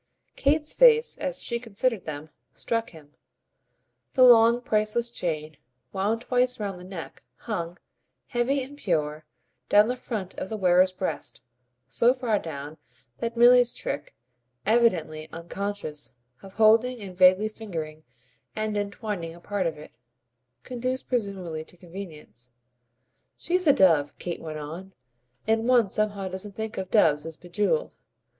Kate's face, as she considered them, struck him: the long, priceless chain, wound twice round the neck, hung, heavy and pure, down the front of the wearer's breast so far down that Milly's trick, evidently unconscious, of holding and vaguely fingering and entwining a part of it, conduced presumably to convenience. "She's a dove," Kate went on, "and one somehow doesn't think of doves as bejewelled.